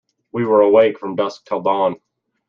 We were awake from dusk till dawn.